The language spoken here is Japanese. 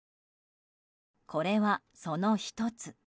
これは、その１つ。